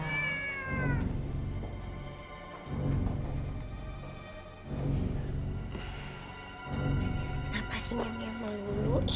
kenapa sih nyonya mului dari tadi